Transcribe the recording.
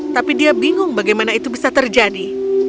tapi dia bingung bagaimana itu bisa terjadi